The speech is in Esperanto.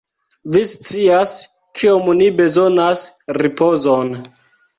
Vi scias, kiom ni bezonas ripozon.